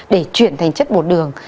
để chuyển thành chất bột đường